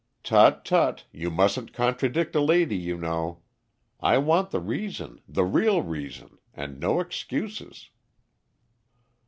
"Tut, tut, you mustn't contradict a lady, you know. I want the reason, the real reason, and no excuses."